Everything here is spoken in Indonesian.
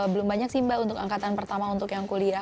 belum banyak sih mbak untuk angkatan pertama untuk yang kuliah